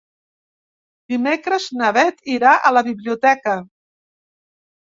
Dimecres na Beth irà a la biblioteca.